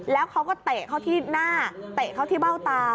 แล้วเขาก็เตะเขาที่หน้าเตะเขาที่เบ้าตา